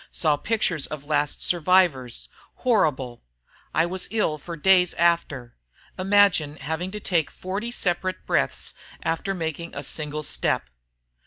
saw pictures of last survivors ... horrible ... I was ill for days after ... imagine having to take 40 separate breaths after making a single step!